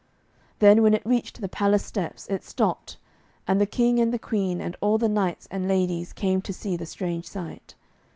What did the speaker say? Then when it reached the palace steps, it stopped, and the King and the Queen and all the knights and ladies came to see the strange sight.